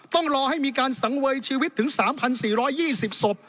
ต้องรอให้มีการสังเวยชีวิตถึง๓๔๒๐ศพ